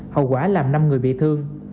hậu quả làm năm người bị thương